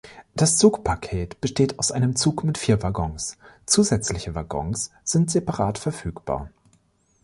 Das „Zugpaket“ besteht aus einem Zug mit vier Waggons; zusätzliche Waggons sind separat verfügbar.